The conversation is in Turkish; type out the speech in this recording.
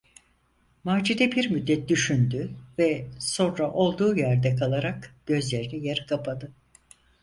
Macide bir müddet düşündü ve sonra olduğu yerde kalarak gözlerini yarı kapadı.